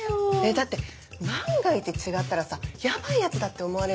だって万が一違ったらさヤバい奴だって思われるじゃん。